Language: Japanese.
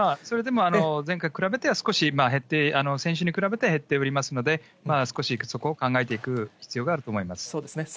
それでも、前回に比べては少し減って、先週に比べて減っておりますので、少しそこを考えていく必要があると思います。